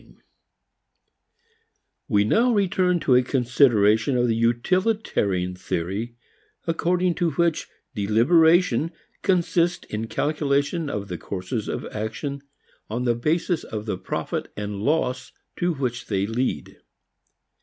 IV We now return to a consideration of the utilitarian theory according to which deliberation consists in calculation of courses of action on the basis of the profit and loss to which they lead.